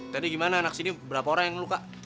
tadi gimana anak sini berapa orang yang luka